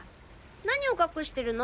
何を隠してるの？